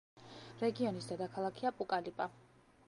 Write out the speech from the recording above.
რეგიონის დედაქალაქია პუკალიპა.